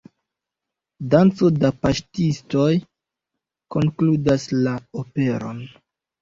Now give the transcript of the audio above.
Danco de paŝtistoj konkludas la operon.